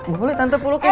gue boleh tantep lu kayak